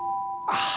ああ。